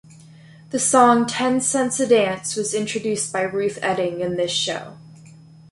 The song "Ten Cents a Dance" was introduced by Ruth Etting in this show.